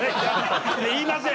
言いません！